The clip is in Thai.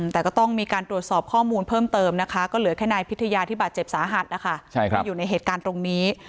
แต่ก็ต้องมีการตรวจสอบข้อมูลเพิ่มเติมนะคะก็เหลือแค่นายพิทยาที่บาดเจ็บสาหัสนะคะที่อยู่ในเหตุการณ์ตรงนี้